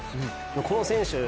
この選手